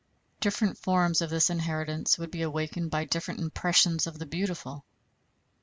Different forms of this inheritance would be awakened by different impressions of the beautiful.